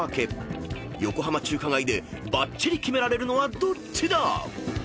［横浜中華街でバッチリキメられるのはどっちだ⁉］